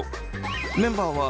メンバーは地